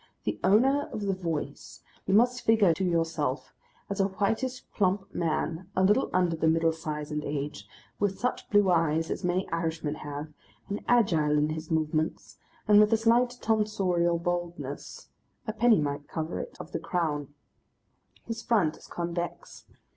The Owner of the Voice you must figure to yourself as a whitish plump man, a little under the middle size and age, with such blue eyes as many Irishmen have, and agile in his movements and with a slight tonsorial baldness a penny might cover it of the crown. His front is convex.